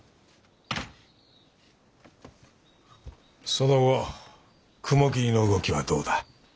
その後雲霧の動きはどうだ？